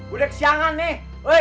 udah kesiangan nih